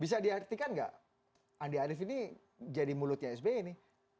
bisa diartikan nggak andi arief ini jadi mulutnya sby nih